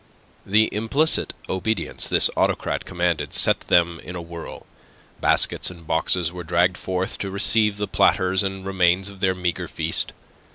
The implicit obedience this autocrat commanded set them in a whirl. Baskets and boxes were dragged forth to receive the platters and remains of their meagre feast.